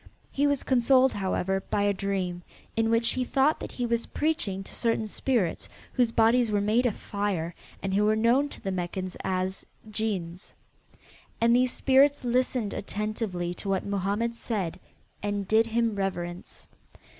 He was consoled, however, by a dream in which he thought that he was preaching to certain spirits whose bodies were made of fire and who were known to the Meccans as Djinns. And these spirits listened attentively to what Mohammed said and did him reverence.